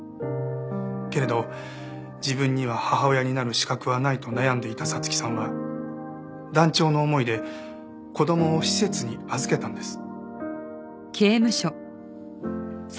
けれど自分には母親になる資格はないと悩んでいた彩月さんは断腸の思いで子供を施設に預けたんです。